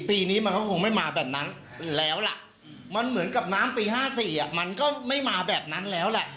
ปีนี้มันก็คงไม่มาแบบนั้นแล้วล่ะมันเหมือนกับน้ำปี๕๔มันก็ไม่มาแบบนั้นแล้วแหละ